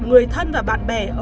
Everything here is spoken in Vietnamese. người thân và bạn bè